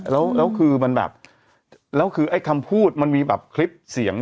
แล้วคือไอ้คำพูดมันมีแบบคลิปเสียง